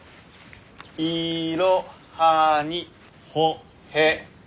「いろはにほへと」。